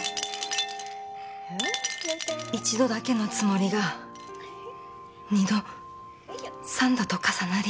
一度だけのつもりが二度三度と重なり。